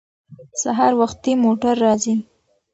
سهار وختي موټر راځي.